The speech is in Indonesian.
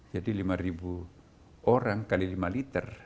jadi lima orang kali lima liter